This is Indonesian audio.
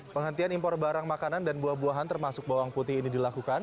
penghentian impor barang makanan dan buah buahan termasuk bawang putih ini dilakukan